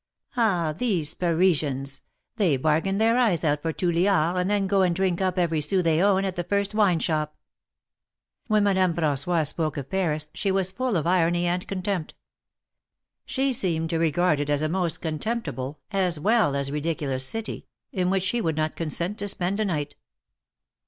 Ah, these Parisians ! They bargain their eyes out for two liards, and then go and drink up every sou they own, at the first wine shop." When Madame Fran9ois spoke of Paris, she was full of irony and contempt. She seemed to regard it as a most contemptible, as well as ridiculous city, in which she would not consent to spend a night.